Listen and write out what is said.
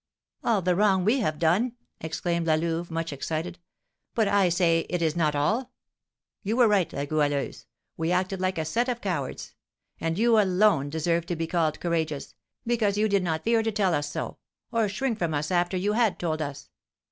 "All the wrong we have done!" exclaimed La Louve, much excited. "But I say it is not all. You were right, La Goualeuse. We acted like a set of cowards; and you alone deserve to be called courageous, because you did not fear to tell us so, or shrink from us after you had told us.